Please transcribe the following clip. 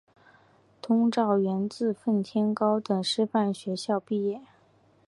佟兆元自奉天高等师范学校毕业。